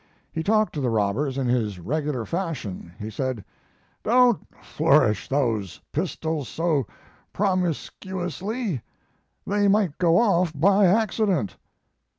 He talked to the robbers in his regular fashion. He said: "'Don't flourish those pistols so promiscuously. They might go off by accident.'